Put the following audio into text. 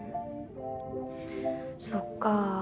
そっか。